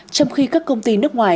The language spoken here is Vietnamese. trong khi các công ty nước ngoài